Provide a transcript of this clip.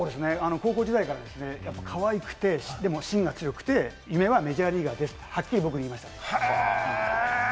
高校時代からかわいくて、でも芯が強くて、夢はメジャーリーガーですと、はっきり僕に言いました。